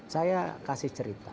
saya kasih cerita